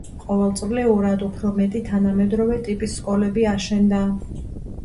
ყოველწლიურად უფრო მეტი თანამედროვე ტიპის სკოლები აშენდა.